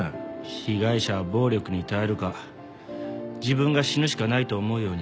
被害者は暴力に耐えるか自分が死ぬしかないと思うようになる。